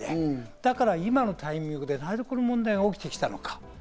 だから今のタイミングでなぜこういう問題が起きてきたのか？